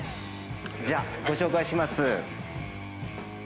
じゃあご紹介します。